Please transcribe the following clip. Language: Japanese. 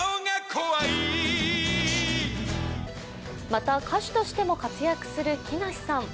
また、歌手としても活躍する木梨さん。